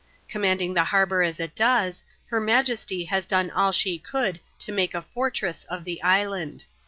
Commanding the harbour as it does, her majesty has done aU she could to make a fortress of the island.